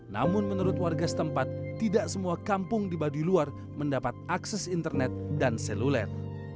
namun menurut warga setempat tidak semua kampung di baduy luar mendapat akses internet dan seluler